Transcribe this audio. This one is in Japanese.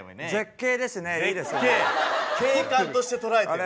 景観として捉えてる？